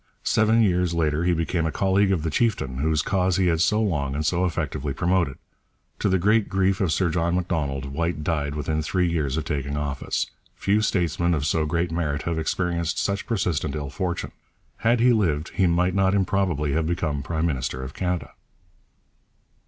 Seven years later he became a colleague of the chieftain whose cause he had so long and so effectively promoted. To the great grief of Sir John Macdonald, White died within three years of taking office. Few statesmen of so great merit have experienced such persistent ill fortune. Had he lived, he might not improbably have become prime minister of Canada.